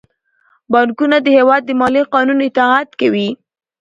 بانکونه د هیواد د مالي قانون اطاعت کوي.